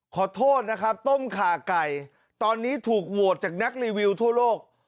ขอโทษนะครับต้มขาไก่ตอนนี้ถูกโหวตจากนักรีวิวทั่วโลก